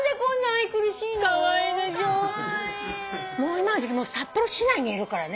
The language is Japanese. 今の時季札幌市内にいるからね。